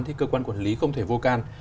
thì cơ quan quản lý không thể vô can